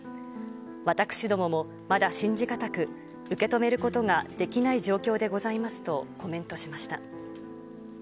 私どもも、まだ信じがたく、受け止めることができない状況でございますとコメントしました。